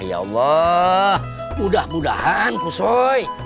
ya allah mudah mudahan pusoi